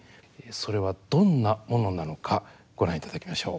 それはどんなものなのかご覧いただきましょう。